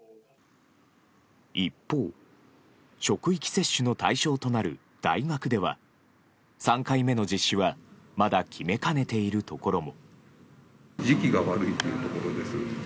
一方、職域接種の対象となる大学では３回目の実施はまだ決めかねているところも。